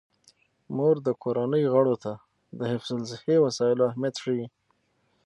مور د کورنۍ غړو ته د حفظ الصحې وسایلو اهمیت ښيي.